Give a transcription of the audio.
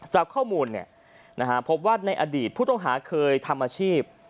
จากข้อมูลพบว่าในอดีตผู้ต้องหาเคยทำอาชีพ